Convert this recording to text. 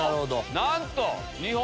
なんと。